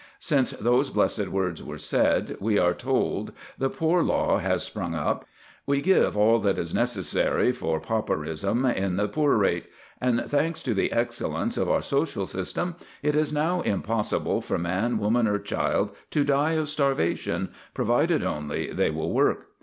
Since those blessed words were said, we are told, the Poor Law has sprung up; we give all that is necessary for pauperism in the poor rate; and, thanks to the excellence of our social system, it is now impossible for man, woman, or child to die of starvation, provided only that they will work.